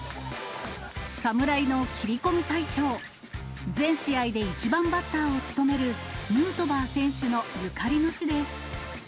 侍の斬り込み隊長、全試合で１番バッターを務めるヌートバー選手のゆかりの地です。